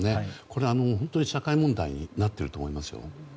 これは、本当に社会問題になっていると思いますよ。